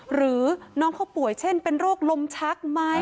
หรือน้องเขาป่วยเช่นเป็นโรคลมชักไหม